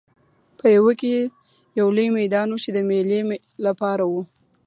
پېوه کې یو لوی میدان و چې د مېلې لپاره و.